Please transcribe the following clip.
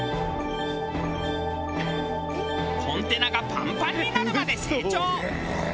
コンテナがパンパンになるまで成長。